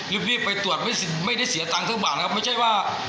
รีบไปตรวจไม่ได้เสียตังค์ทั้งบาทนะครับไม่ใช่ว่า